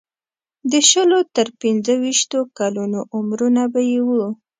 د شلو تر پنځه ویشتو کلونو عمرونه به یې وو.